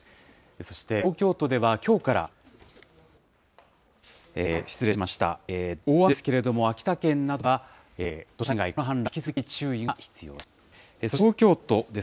そして東京都では、きょうから、失礼しました、大雨ですけれども、秋田県などでは土砂災害、川の氾濫、引き続き注意が必要です。